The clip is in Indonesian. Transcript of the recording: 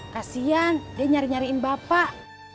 kasian dia nyari nyariin bapak